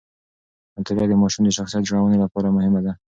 مطالعه د ماشوم د شخصیت جوړونې لپاره مهمه ده.